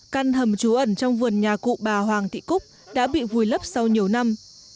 căn hầm trú ẩn trong vườn nhà cụ bà hoàng thị cúc đã bị vùi lấp sau nhiều năm